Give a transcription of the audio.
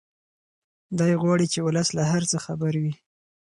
دی غواړي چې ولس له هر څه خبر وي.